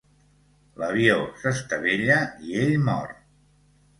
L'avió s'estavella i ell mor.